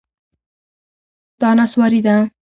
دا نسواري ده